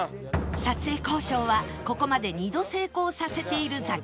撮影交渉はここまで２度成功させているザキヤマさん